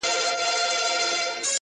چاویل چي چوروندک د وازګو ډک دی-